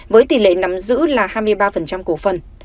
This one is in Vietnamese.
với tỷ lệ nắm giữ là hai mươi ba cổ phần